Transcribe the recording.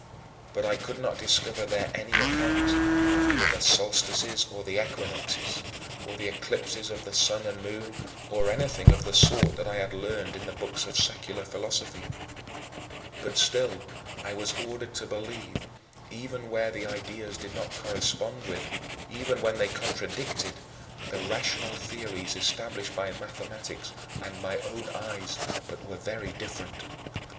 But I could not discover there any account, of either the solstices or the equinoxes, or the eclipses of the sun and moon, or anything of the sort that I had learned in the books of secular philosophy. But still I was ordered to believe, even where the ideas did not correspond with even when they contradicted the rational theories established by mathematics and my own eyes, but were very different.